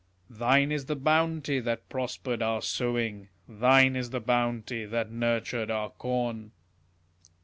Thine is the bounty that prospered our sowing, Thine is the bounty that nurtured our corn.